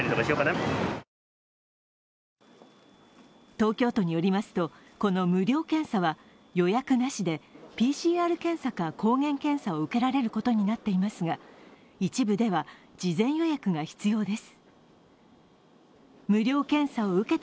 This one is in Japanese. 東京都によりますとこの無料検査は予約なしでＰＣＲ検査か抗原検査を受けられることになっていますが一部では事前予約が必要です。